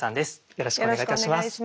よろしくお願いします。